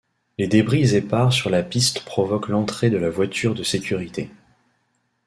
Les débris épars sur la piste provoquent l'entrée de la voiture de sécurité.